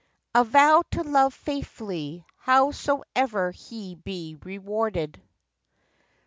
A VOW TO LOVE FAITHFULLY HOWSOEVER HE BE REWARDED.